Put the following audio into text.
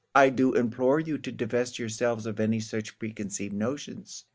I do implore you to divest yourselves of any such preconceived notions.